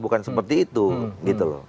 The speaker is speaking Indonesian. bukan seperti itu gitu loh